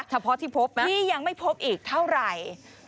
เฉพาะที่พบนะที่ยังไม่พบอีกเท่าไหร่